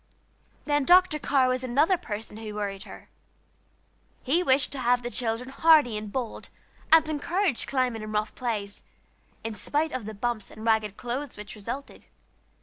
Then Dr. Carr was another person who worried her. He wished to have the children hardy and bold, and encouraged climbing and rough plays, in spite of the bumps and ragged clothes which resulted.